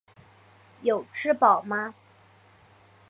有吃饱吗？